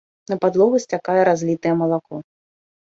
На падлогу сцякае разлітае малако.